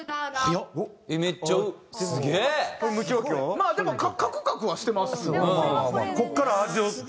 まあでもカクカクはしてますよね。